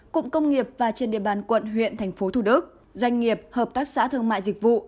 cụm công nghiệp và trên địa bàn quận huyện thành phố thủ đức doanh nghiệp hợp tác xã thương mại dịch vụ